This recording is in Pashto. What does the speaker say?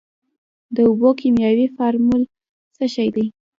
د اوبو کیمیاوي فارمول څه شی دی.